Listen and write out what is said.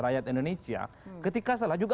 rakyat indonesia ketika salah juga